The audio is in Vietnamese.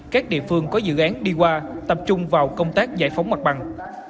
các địa phương có dự án đi qua tập trung vào công tác giải phóng mặt bằng